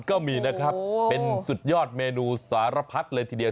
ก็มีนะครับเป็นสุดยอดเมนูสารพัดเลยทีเดียว